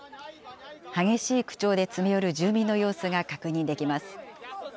激しい口調で詰め寄る住民の様子が確認できます。